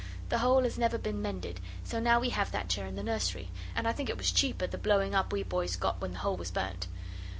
The hole has never been mended, so now we have that chair in the nursery, and I think it was cheap at the blowing up we boys got when the hole was burnt.